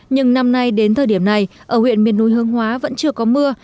nhưng năm nay đến thời điểm này ở huyện miền núi hương hóa vẫn chưa có mưa